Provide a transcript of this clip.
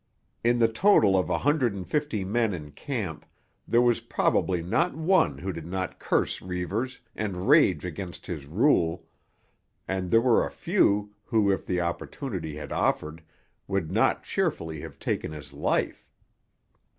In the total of a hundred and fifty men in camp there was probably not one who did not curse Reivers and rage against his rule, and there were few who, if the opportunity had offered, would not cheerfully have taken his life.